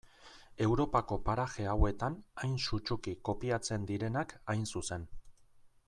Europako paraje hauetan hain sutsuki kopiatzen direnak hain zuzen.